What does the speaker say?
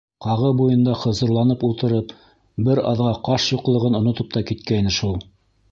Ҡағы буйында хозурланып ултырып бер аҙға ҡаш юҡлығын онотоп та киткәйне шул.